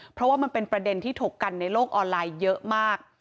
เพราะว่ามันเป็นประเด็นที่ถกกันในโลกออนไลน์เยอะมาก